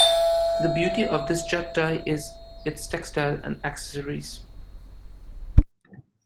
The beauty of this chut thai is its textile and accessories.